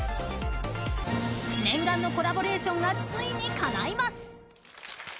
念願のコラボレーションがついにかないます。